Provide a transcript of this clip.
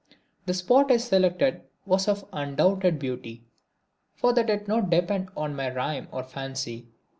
The spot I selected was of undoubted beauty, for that did not depend on my rhyme or fancy.